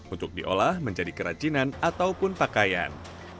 untuk diolah menjadi kerajinan ataupun pakaian